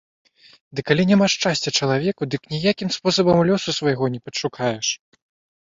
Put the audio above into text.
Ды калі няма шчасця чалавеку, дык ніякім спосабам лёсу свайго не падашукаеш.